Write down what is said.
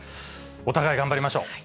お互い頑張りましょう。